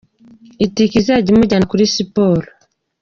I ticket izajya imujyana muri siporo.